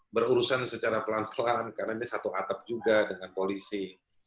berurusan secara pelan pelan karena ini satu atap juga dengan polisi